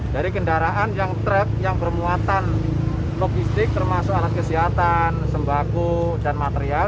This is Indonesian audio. dari kendaraan yang trek yang bermuatan logistik termasuk alat kesehatan sembako dan material